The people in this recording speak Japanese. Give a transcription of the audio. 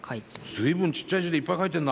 随分ちっちゃい字でいっぱい書いてんな。